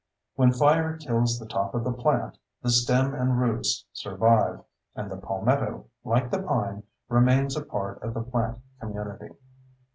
When fire kills the top of the plant, the stem and roots survive, and the palmetto, like the pine, remains a part of the plant community.